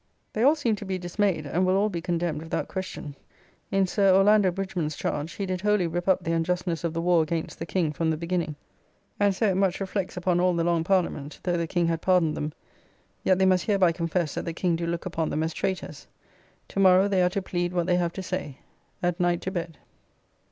They all seem to be dismayed, and will all be condemned without question. In Sir Orlando Bridgman's charge, he did wholly rip up the unjustness of the war against the King from the beginning, and so it much reflects upon all the Long Parliament, though the King had pardoned them, yet they must hereby confess that the King do look upon them as traitors. To morrow they are to plead what they have to say. At night to bed.